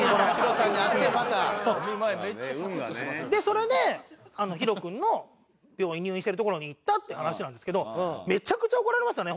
それでＨＩＲＯくんの病院入院してる所に行ったって話なんですけどめちゃくちゃ怒られましたね